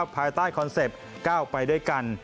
ภายใต้คอนเซ็ปต์ก้าวไปด้วยกัน